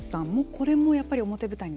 これもやっぱり表舞台には。